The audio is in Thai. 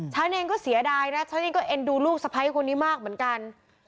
ฉันเองก็เสียดายนะฉันเองก็เอ็นดูลูกสะพ้ายคนนี้มากเหมือนกัน